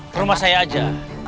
ke rumah saya aja